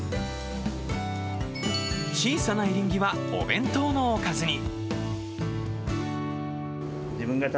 小さなエリンギは、お弁当のおかずに。